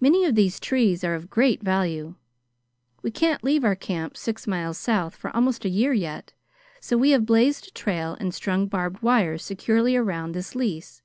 Many of these trees are of great value. We can't leave our camp, six miles south, for almost a year yet; so we have blazed a trail and strung barbed wires securely around this lease.